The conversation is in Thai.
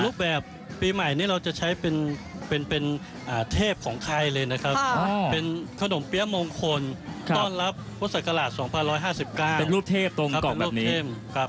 รูปแบบปีใหม่นี่เราจะใช้เป็นเทพของไทยเลยนะครับ